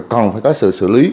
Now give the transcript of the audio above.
còn phải có sự xử lý